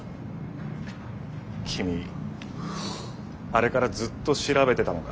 君あれからずっと調べてたのか？